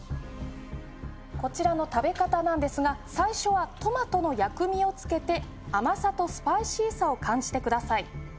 こちらの食べ方なんですが最初はトマトの薬味をつけて甘さとスパイシーさを感じてください